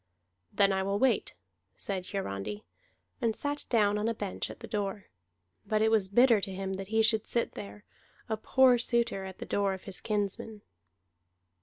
"Then I will wait," said Hiarandi, and sat down on a bench at the door. But it was bitter to him that he should sit there, a poor suitor, at the door of his kinsman.